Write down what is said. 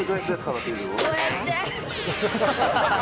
こうやって。